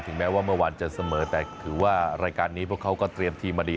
แม้ว่าเมื่อวานจะเสมอแต่ถือว่ารายการนี้พวกเขาก็เตรียมทีมมาดี